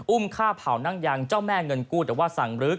ค่าเผานั่งยางเจ้าแม่เงินกู้แต่ว่าสั่งรื้อ